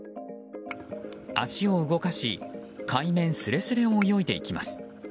足を動かし海面すれすれを泳いでいきます。